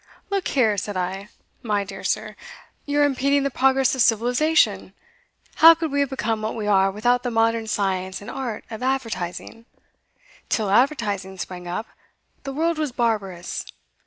"Look here," said I, "my dear sir, you're impeding the progress of civilisation. How could we have become what we are without the modern science and art of advertising? Till advertising sprang up, the world was barbarous.